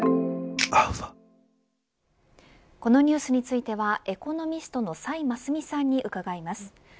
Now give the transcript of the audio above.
このニュースについてはエコノミストの崔真淑さんに伺います。